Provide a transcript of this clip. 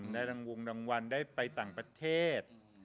ได้รังวัลได้ไปต่างประเทศ